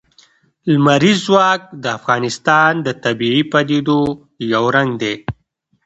لمریز ځواک د افغانستان د طبیعي پدیدو یو رنګ دی.